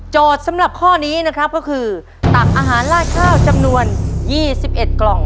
สำหรับข้อนี้นะครับก็คือตักอาหารลาดข้าวจำนวน๒๑กล่อง